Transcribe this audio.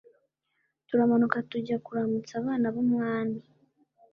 turamanuka tujya kuramutsa abana b’umwami